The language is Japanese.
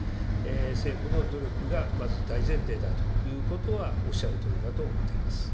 政府の努力が、まず大前提だということはおっしゃるとおりだと思っています。